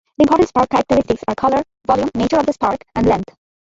The important spark characteristics are color, volume, nature of the spark, and length.